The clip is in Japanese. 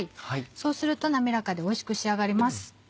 そうすると滑らかでおいしく仕上がります。